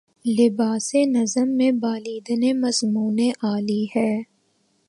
لباسِ نظم میں بالیدنِ مضمونِ عالی ہے